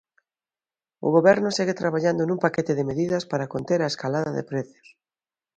O Goberno segue traballando nun paquete de medidas para conter a escalada de prezos.